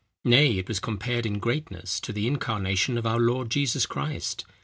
Nay, it was compared in greatness to the Incarnation of our Lord Jesus Christ.